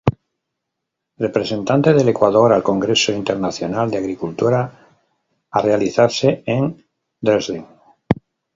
Representante del Ecuador al Congreso Internacional de Agricultura a realizarse en Dresden.